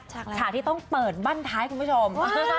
ฉากที่ต้องเปิดบ้านท้ายคุณผู้ชม